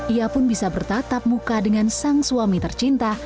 ia pun bisa bertatap muka dengan sang suami tercinta